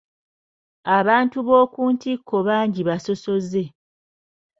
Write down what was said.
Abantu b'oku ntikko bangi basosoze.